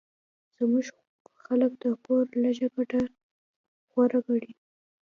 زموږ خلک د کور لږه ګټه غوره ګڼي